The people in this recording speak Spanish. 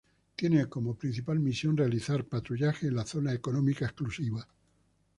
Tiene como principal misión realizar patrullajes en la Zona Económica Exclusiva.